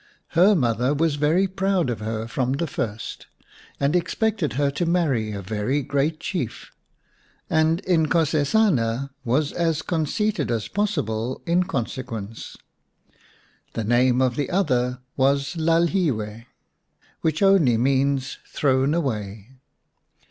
Her mother was very proud of her from the first, and expected her to marry a very great Chief, and Inkosesana was as conceited as possible in consequence. The name of the other was Lalhiwe, which only means " Thrown Away."